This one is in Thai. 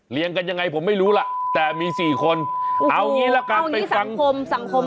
เลี้ยงกันยังไงผมไม่รู้ล่ะแต่มีสี่คนเอาอย่างงี้แล้วกันไปฟังเอาอย่างงี้สังคม